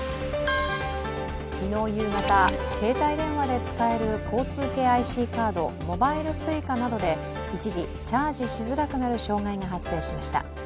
昨日夕方、携帯電話で使える交通系ＩＣカード、モバイルＳｕｉｃａなどで一時、チャージしづらくなる障害が発生しました。